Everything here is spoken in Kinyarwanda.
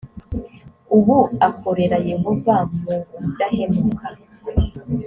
ubu akorera yehova mu budahemuka